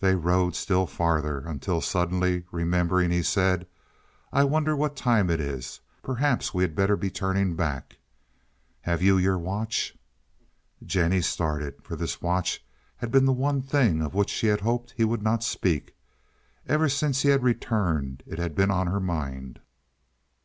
They rode still farther, until suddenly remembering, he said: "I wonder what time it is. Perhaps we had better be turning back. Have you your watch?" Jennie started, for this watch had been the one thing of which she had hoped he would not speak. Ever since he had returned it had been on her mind.